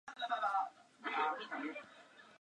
Asimismo pide a su madre que no guarde rencor a su padre.